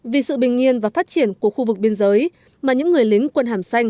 vì sự bình yên và phát triển của khu vực biên giới mà những người lính quân hàm xanh